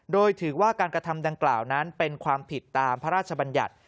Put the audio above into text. โดยถือว่าการกระทำดังกล่าวนั้นเป็นความผิดตามพระราชบัญญัติ